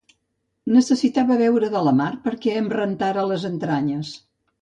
Necessitava beure de la mar, perquè em rentara les entranyes.